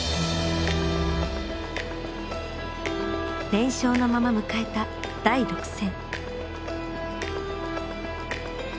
連勝のまま迎えた第６戦。